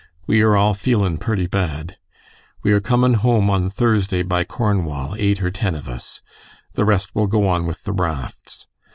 We are all feelin purty bad. We are comin' home on Thursday by Cornwall, eight or ten of us. The rest will go on with the rafts.